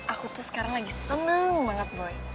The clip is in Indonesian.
aku tuh sekarang lagi seneng banget boy